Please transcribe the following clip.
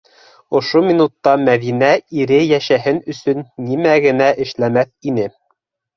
Ошо минутта Мәҙинә ире йәшәһен өсөн нимә генә эшләмәҫ ине!